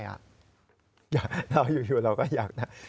เราอยู่เราก็อยากนะ